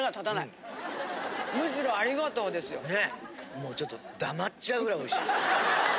もうちょっと黙っちゃうぐらいおいしい。